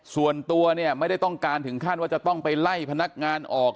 ส่วนตัวเนี่ยไม่ได้ต้องการถึงขั้นว่าจะต้องไปไล่พนักงานออก